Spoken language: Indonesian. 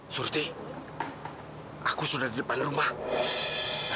surti aku sudah di depan rumah